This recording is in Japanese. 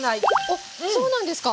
あっそうなんですか。